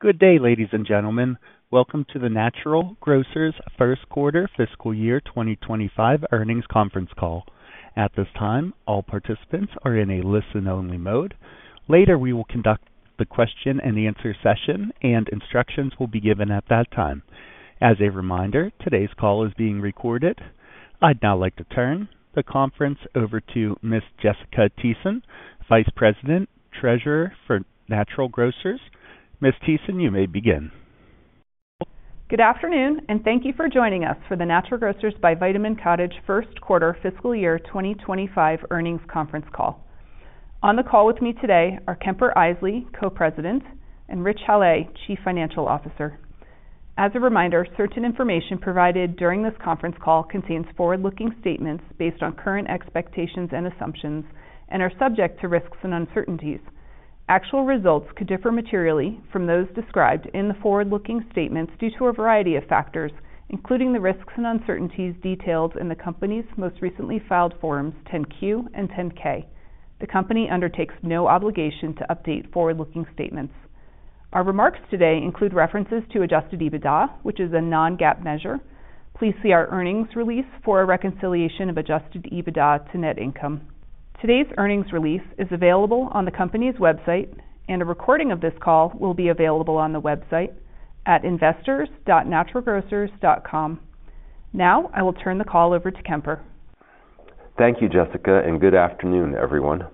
Good day, ladies and gentlemen. Welcome to the Natural Grocers' first quarter fiscal year 2025 earnings conference call. At this time, all participants are in a listen-only mode. Later, we will conduct the question-and-answer session, and instructions will be given at that time. As a reminder, today's call is being recorded. I'd now like to turn the conference over to Ms. Jessica Thiesen, Vice President, Treasurer for Natural Grocers. Ms. Thiesen, you may begin. Good afternoon, and thank you for joining us for the Natural Grocers by Vitamin Cottage first quarter fiscal year 2025 earnings conference call. On the call with me today are Kemper Isely, Co-President, and Rich Hallé, Chief Financial Officer. As a reminder, certain information provided during this conference call contains forward-looking statements based on current expectations and assumptions and are subject to risks and uncertainties. Actual results could differ materially from those described in the forward-looking statements due to a variety of factors, including the risks and uncertainties detailed in the company's most recently filed forms 10-Q and 10-K. The company undertakes no obligation to update forward-looking statements. Our remarks today include references to Adjusted EBITDA, which is a non-GAAP measure. Please see our earnings release for a reconciliation of Adjusted EBITDA to net income. Today's earnings release is available on the company's website, and a recording of this call will be available on the website at investors.naturalgrocers.com. Now, I will turn the call over to Kemper. Thank you, Jessica, and good afternoon, everyone.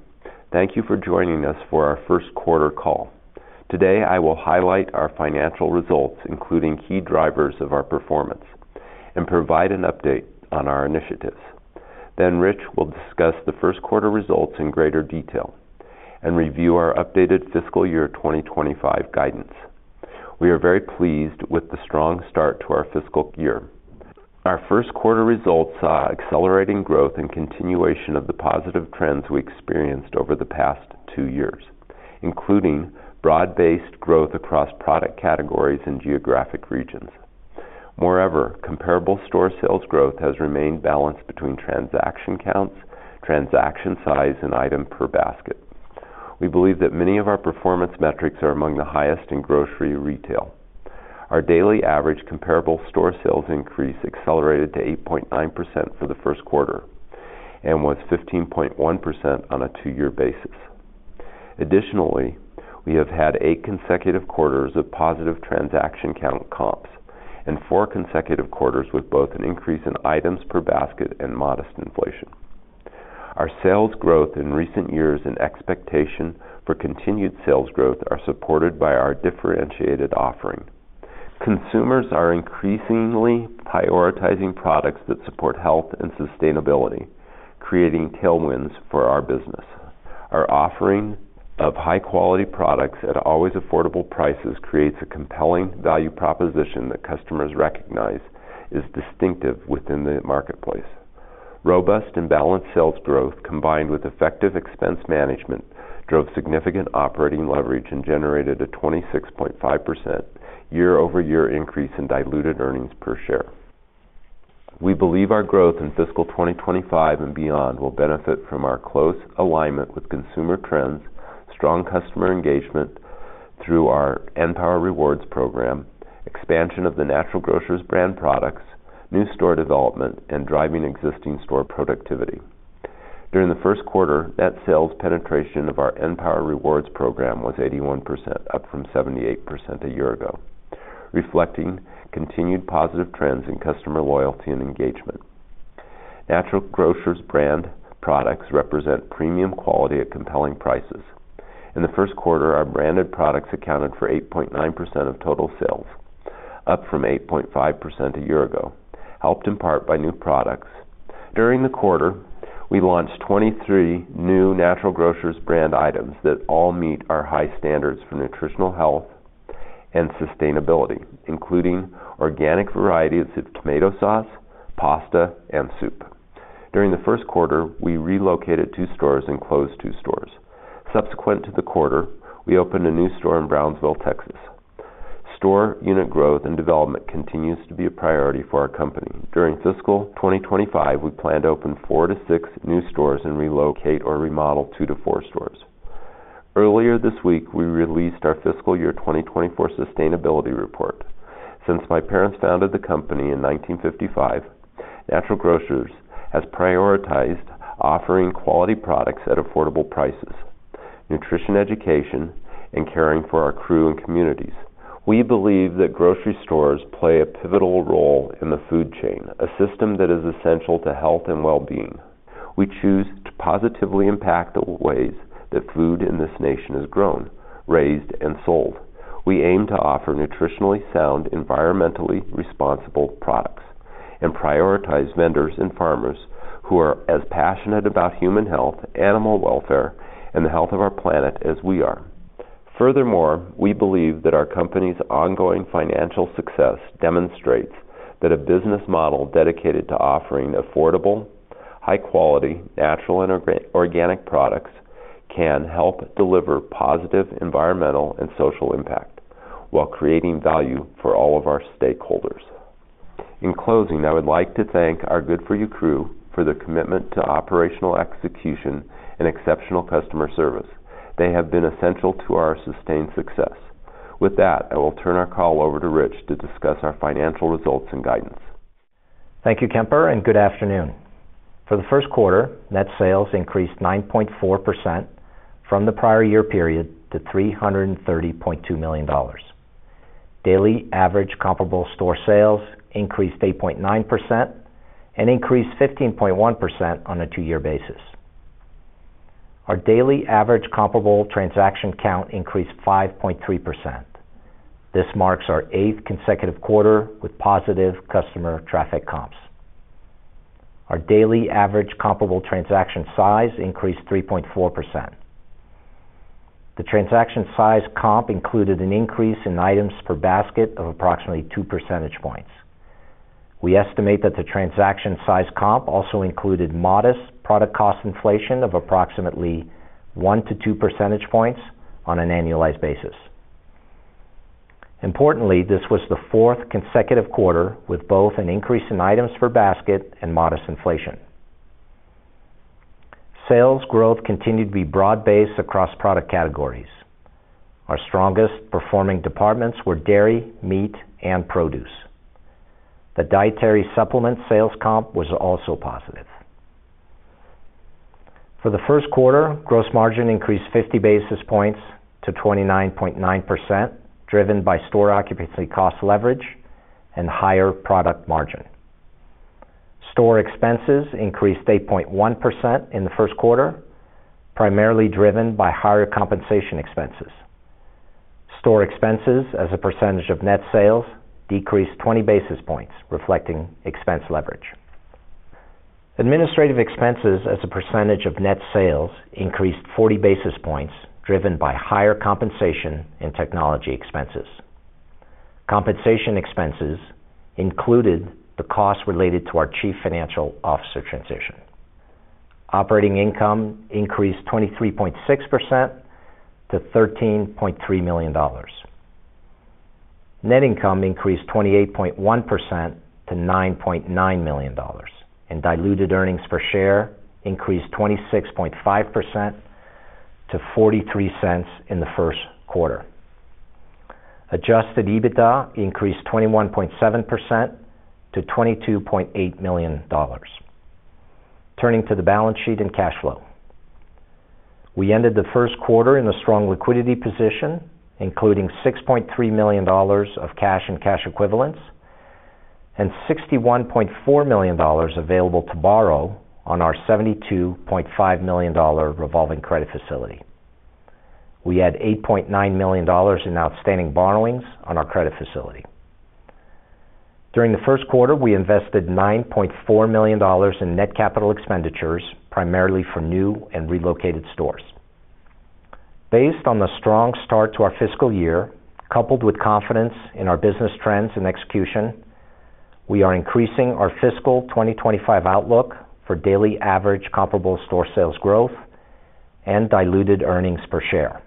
Thank you for joining us for our first quarter call. Today, I will highlight our financial results, including key drivers of our performance, and provide an update on our initiatives. Then, Rich will discuss the first quarter results in greater detail and review our updated fiscal year 2025 guidance. We are very pleased with the strong start to our fiscal year. Our first quarter results saw accelerating growth and continuation of the positive trends we experienced over the past two years, including broad-based growth across product categories and geographic regions. Moreover, comparable store sales growth has remained balanced between transaction counts, transaction size, and item per basket. We believe that many of our performance metrics are among the highest in grocery retail. Our daily average comparable store sales increase accelerated to 8.9% for the first quarter and was 15.1% on a two-year basis. Additionally, we have had eight consecutive quarters of positive transaction count comps and four consecutive quarters with both an increase in items per basket and modest inflation. Our sales growth in recent years and expectation for continued sales growth are supported by our differentiated offering. Consumers are increasingly prioritizing products that support health and sustainability, creating tailwinds for our business. Our offering of high-quality products at always affordable prices creates a compelling value proposition that customers recognize is distinctive within the marketplace. Robust and balanced sales growth, combined with effective expense management, drove significant operating leverage and generated a 26.5% year-over-year increase in diluted earnings per share. We believe our growth in fiscal 2025 and beyond will benefit from our close alignment with consumer trends, strong customer engagement through our {N}power rewards program, expansion of the Natural Grocers Brand Products, new store development, and driving existing store productivity. During the first quarter, net sales penetration of our {N}power rewards program was 81%, up from 78% a year ago, reflecting continued positive trends in customer loyalty and engagement. Natural Grocers Brand Products represent premium quality at compelling prices. In the first quarter, our branded products accounted for 8.9% of total sales, up from 8.5% a year ago, helped in part by new products. During the quarter, we launched 23 new Natural Grocers Brand items that all meet our high standards for nutritional health and sustainability, including organic varieties of tomato sauce, pasta, and soup. During the first quarter, we relocated two stores and closed two stores. Subsequent to the quarter, we opened a new store in Brownsville, Texas. Store unit growth and development continues to be a priority for our company. During fiscal 2025, we plan to open four to six new stores and relocate or remodel two to four stores. Earlier this week, we released our fiscal year 2024 sustainability report. Since my parents founded the company in 1955, Natural Grocers has prioritized offering quality products at affordable prices, nutrition education, and caring for our crew and communities. We believe that grocery stores play a pivotal role in the food chain, a system that is essential to health and well-being. We choose to positively impact the ways that food in this nation is grown, raised, and sold. We aim to offer nutritionally sound, environmentally responsible products and prioritize vendors and farmers who are as passionate about human health, animal welfare, and the health of our planet as we are. Furthermore, we believe that our company's ongoing financial success demonstrates that a business model dedicated to offering affordable, high-quality, natural and organic products can help deliver positive environmental and social impact while creating value for all of our stakeholders. In closing, I would like to thank our good4u crew for their commitment to operational execution and exceptional customer service. They have been essential to our sustained success. With that, I will turn our call over to Rich to discuss our financial results and guidance. Thank you, Kemper, and good afternoon. For the first quarter, net sales increased 9.4% from the prior year period to $330.2 million. Daily average comparable store sales increased 8.9% and increased 15.1% on a two-year basis. Our daily average comparable transaction count increased 5.3%. This marks our eighth consecutive quarter with positive customer traffic comps. Our daily average comparable transaction size increased 3.4%. The transaction size comp included an increase in items per basket of approximately two percentage points. We estimate that the transaction size comp also included modest product cost inflation of approximately one to two percentage points on an annualized basis. Importantly, this was the fourth consecutive quarter with both an increase in items per basket and modest inflation. Sales growth continued to be broad-based across product categories. Our strongest performing departments were dairy, meat, and produce. The dietary supplement sales comp was also positive. For the first quarter, gross margin increased 50 basis points to 29.9%, driven by store occupancy cost leverage and higher product margin. Store expenses increased 8.1% in the first quarter, primarily driven by higher compensation expenses. Store expenses as a percentage of net sales decreased 20 basis points, reflecting expense leverage. Administrative expenses as a percentage of net sales increased 40 basis points, driven by higher compensation and technology expenses. Compensation expenses included the costs related to our Chief Financial Officer transition. Operating income increased 23.6% to $13.3 million. Net income increased 28.1% to $9.9 million, and diluted earnings per share increased 26.5% to $0.43 in the first quarter. Adjusted EBITDA increased 21.7% to $22.8 million. Turning to the balance sheet and cash flow, we ended the first quarter in a strong liquidity position, including $6.3 million of cash and cash equivalents and $61.4 million available to borrow on our $72.5 million revolving credit facility. We had $8.9 million in outstanding borrowings on our credit facility. During the first quarter, we invested $9.4 million in net capital expenditures, primarily for new and relocated stores. Based on the strong start to our fiscal year, coupled with confidence in our business trends and execution, we are increasing our fiscal 2025 outlook for daily average comparable store sales growth and diluted earnings per share.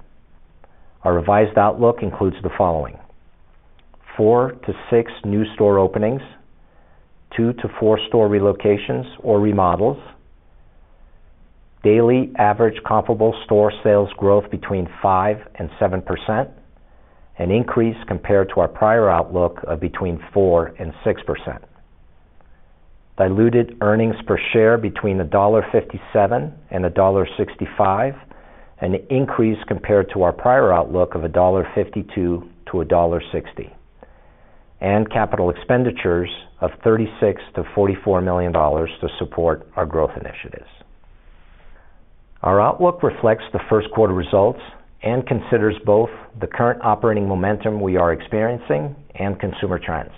Our revised outlook includes the following: four to six new store openings, two to four store relocations or remodels, daily average comparable store sales growth between 5 and 7%, an increase compared to our prior outlook of between 4% and 6%, diluted earnings per share between $1.57 and $1.65, an increase compared to our prior outlook of $1.52-$1.60, and capital expenditures of $36 million-$44 million to support our growth initiatives. Our outlook reflects the first quarter results and considers both the current operating momentum we are experiencing and consumer trends.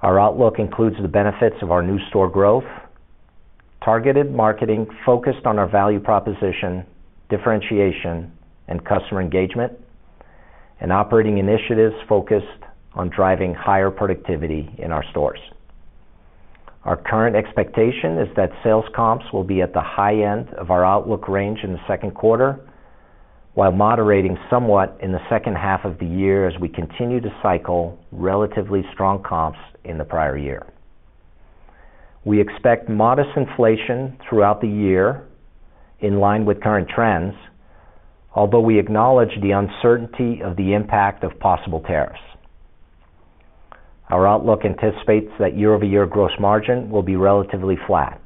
Our outlook includes the benefits of our new store growth, targeted marketing focused on our value proposition, differentiation, and customer engagement, and operating initiatives focused on driving higher productivity in our stores. Our current expectation is that sales comps will be at the high end of our outlook range in the second quarter, while moderating somewhat in the second half of the year as we continue to cycle relatively strong comps in the prior year. We expect modest inflation throughout the year in line with current trends, although we acknowledge the uncertainty of the impact of possible tariffs. Our outlook anticipates that year-over-year gross margin will be relatively flat.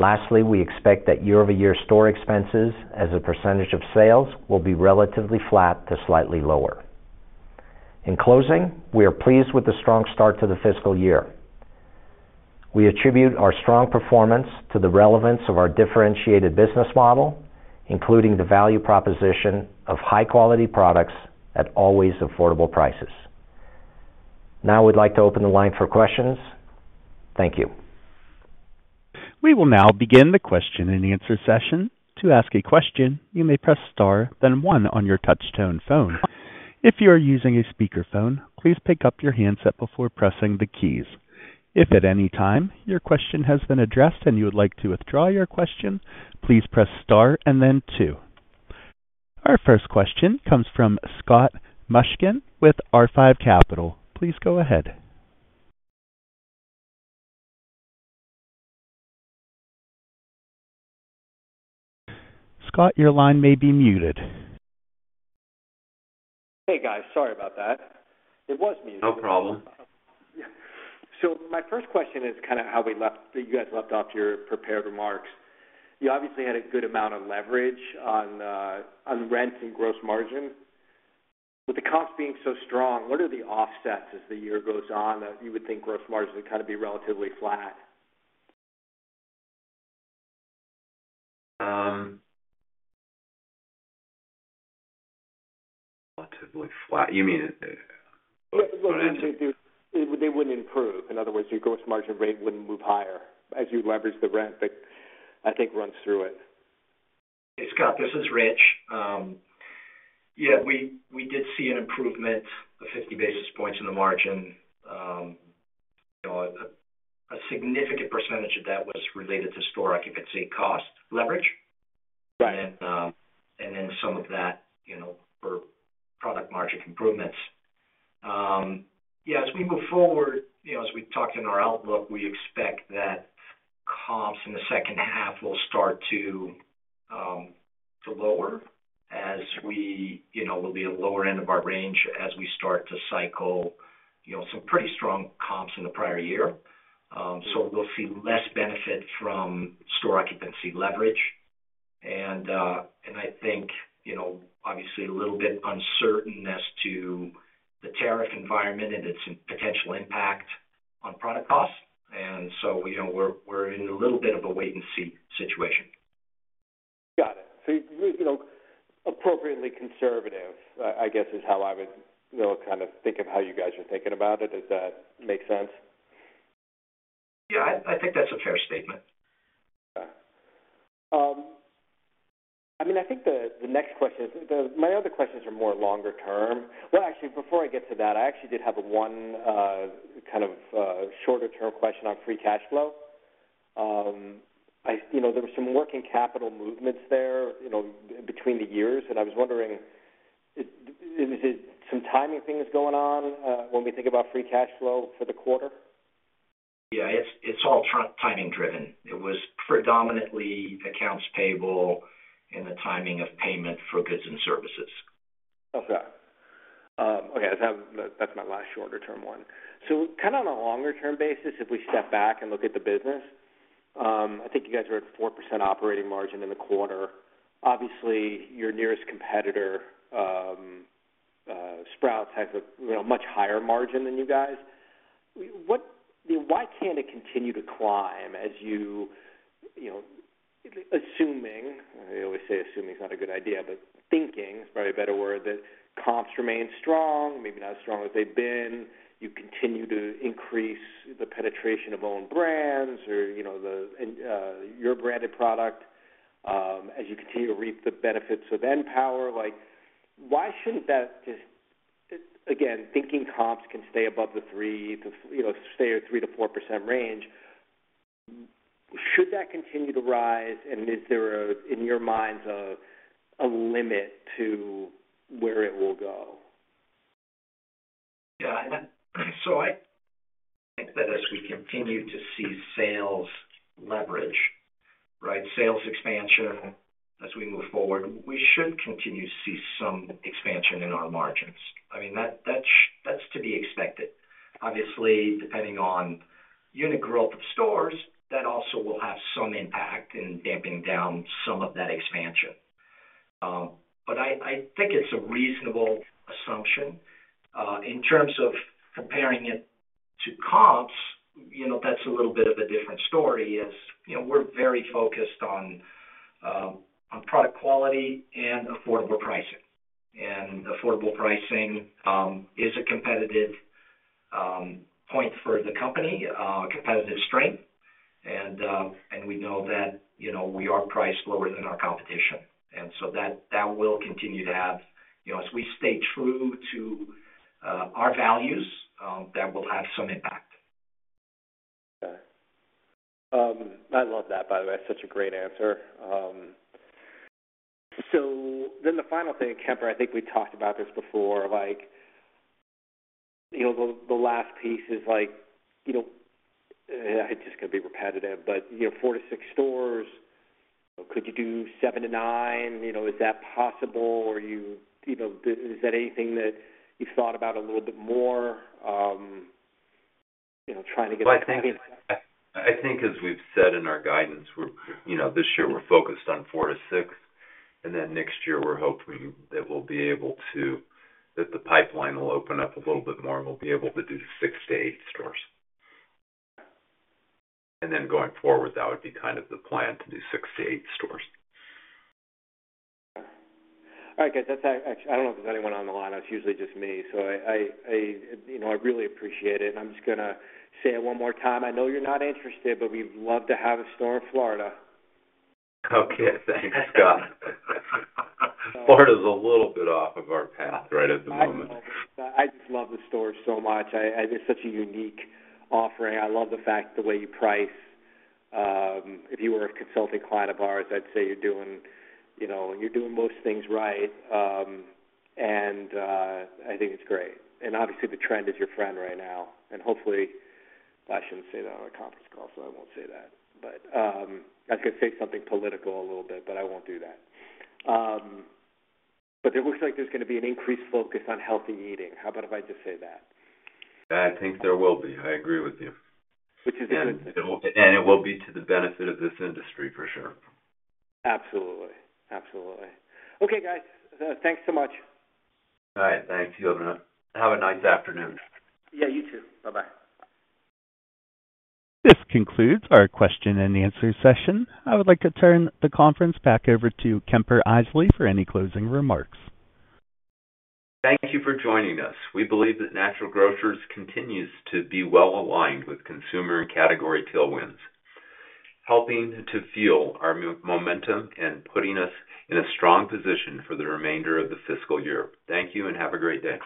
Lastly, we expect that year-over-year store expenses as a percentage of sales will be relatively flat to slightly lower. In closing, we are pleased with the strong start to the fiscal year. We attribute our strong performance to the relevance of our differentiated business model, including the value proposition of high-quality products at always affordable prices. Now, I would like to open the line for questions. Thank you. We will now begin the question and answer session. To ask a question, you may press star, then one on your touch-tone phone. If you are using a speakerphone, please pick up your handset before pressing the keys. If at any time your question has been addressed and you would like to withdraw your question, please press star and then two. Our first question comes from Scott Mushkin with R5 Capital. Please go ahead. Scott, your line may be muted. Hey, guys. Sorry about that. It was muted. No problem. So, my first question is kind of how we left that you guys left off your prepared remarks. You obviously had a good amount of leverage on rent and gross margin. With the comps being so strong, what are the offsets as the year goes on that you would think gross margin would kind of be relatively flat? Relatively flat. You mean? Actually, they wouldn't improve. In other words, your gross margin rate wouldn't move higher as you leverage the rent that I think runs through it. Hey, Scott, this is Rich. Yeah, we did see an improvement of 50 basis points in the margin. A significant percentage of that was related to store occupancy cost leverage. And then some of that for product margin improvements. Yeah, as we move forward, as we talked in our outlook, we expect that comps in the second half will start to lower as we will be at the lower end of our range as we start to cycle some pretty strong comps in the prior year. So we'll see less benefit from store occupancy leverage. And I think, obviously, a little bit uncertain as to the tariff environment and its potential impact on product costs. And so we're in a little bit of a wait-and-see situation. Got it. So appropriately conservative, I guess, is how I would kind of think of how you guys are thinking about it. Does that make sense? Yeah, I think that's a fair statement. I mean, I think the next question is my other questions are more longer term, well, actually, before I get to that, I actually did have one kind of shorter-term question on Free Cash Flow. There were some working capital movements there between the years, and I was wondering, is it some timing things going on when we think about Free Cash Flow for the quarter? Yeah, it's all timing-driven. It was predominantly accounts payable and the timing of payment for goods and services. Okay. Okay, that's my last shorter-term one. So kind of on a longer-term basis, if we step back and look at the business, I think you guys were at 4% operating margin in the quarter. Obviously, your nearest competitor, Sprouts, has a much higher margin than you guys. Why can't it continue to climb as you assuming—I always say assuming is not a good idea, but thinking is probably a better word—that comps remain strong, maybe not as strong as they've been? You continue to increase the penetration of own brands or your branded product as you continue to reap the benefits of {N}power. Why shouldn't that just—again, thinking comps can stay above the 3% to stay at a 3%-4% range—should that continue to rise? And is there, in your minds, a limit to where it will go? Yeah. So I think that as we continue to see sales leverage, right, sales expansion as we move forward, we should continue to see some expansion in our margins. I mean, that's to be expected. Obviously, depending on unit growth of stores, that also will have some impact in damping down some of that expansion, but I think it's a reasonable assumption. In terms of comparing it to comps, that's a little bit of a different story as we're very focused on product quality and affordable pricing, and affordable pricing is a competitive point for the company, a competitive strength, and we know that we are priced lower than our competition, and so that will continue to have, as we stay true to our values, some impact. Okay. I love that, by the way. That's such a great answer. So then the final thing, Kemper, I think we talked about this before. The last piece is, I just could be repetitive, but four to six stores, could you do seven to nine? Is that possible? Is that anything that you've thought about a little bit more trying to get that happening? I think, as we've said in our guidance, this year we're focused on four-six. And then next year, we're hoping that we'll be able to, that the pipeline will open up a little bit more and we'll be able to do six-eight stores. And then going forward, that would be kind of the plan to do six-eight stores. Okay. All right, guys. I don't know if there's anyone on the line. That's usually just me. So I really appreciate it. And I'm just going to say it one more time. I know you're not interested, but we'd love to have a store in Florida. Okay. Thanks, Scott. Florida's a little bit off of our path right at the moment. I just love the store so much. It's such a unique offering. I love the fact the way you price. If you were a consulting client of ours, I'd say you're doing most things right. And I think it's great. And obviously, the trend is your friend right now. And hopefully, well, I shouldn't say that on a conference call, so I won't say that. But I could say something political a little bit, but I won't do that. But it looks like there's going to be an increased focus on healthy eating. How about if I just say that? I think there will be. I agree with you. Which is a good thing. It will be to the benefit of this industry, for sure. Absolutely. Absolutely. Okay, guys. Thanks so much. All right. Thanks. You have a nice afternoon. Yeah, you too. Bye-bye. This concludes our question and answer session. I would like to turn the conference back over to Kemper Isely for any closing remarks. Thank you for joining us. We believe that Natural Grocers continues to be well aligned with consumer and category tailwinds, helping to fuel our momentum and putting us in a strong position for the remainder of the fiscal year. Thank you and have a great day.